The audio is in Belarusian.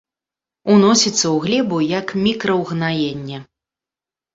Уносіцца ў глебу як мікраўгнаенне.